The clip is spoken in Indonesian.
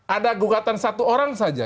ada gugatan satu orang saja